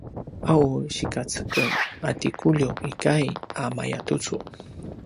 a u sikacekelj a ti Kuliw ikay a mayatucu